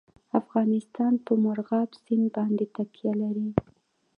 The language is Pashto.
افغانستان په مورغاب سیند باندې تکیه لري.